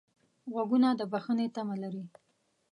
غوږونه د بښنې تمه لري